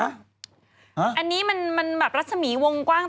อันนี้มันแบบรัศมีวงกว้าง